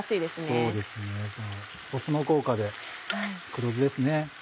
そうですね酢の効果で黒酢ですね。